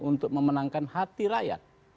untuk memenangkan hati rakyat